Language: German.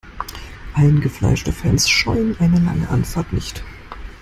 Eingefleischte Fans scheuen eine lange Anfahrt nicht.